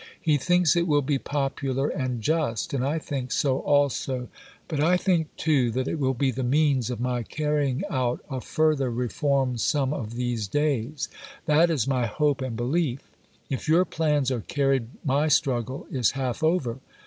He thinks it will be popular and just, and I think so also, but I think too that it will be the means of my carrying out a further reform some of these days. That is my hope and belief. If your plans are carried my struggle is half over.